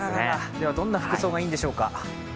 ではどんな服装がいいんでしょうか。